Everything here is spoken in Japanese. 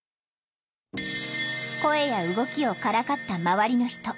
声や動きをからかった周りの人。